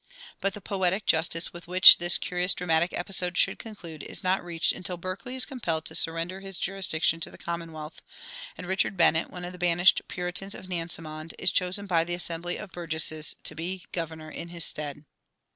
But the "poetic justice" with which this curious dramatic episode should conclude is not reached until Berkeley is compelled to surrender his jurisdiction to the Commonwealth, and Richard Bennett, one of the banished Puritans of Nansemond, is chosen by the Assembly of Burgesses to be governor in his stead.